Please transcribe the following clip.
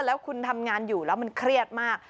แล้วคุณทำงานอยู่แล้วมันเครียดมาก